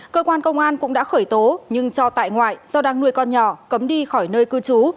cơ quan công an cũng đã khởi tố nhưng cho tại ngoại do đang nuôi con nhỏ cấm đi khỏi nơi cư trú